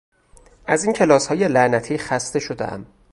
از این کلاسهای لعنتی خسته شدهام!